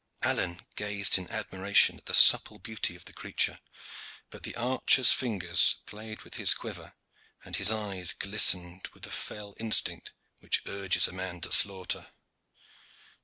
Alleyne gazed in admiration at the supple beauty of the creature; but the archer's fingers played with his quiver, and his eyes glistened with the fell instinct which urges a man to slaughter.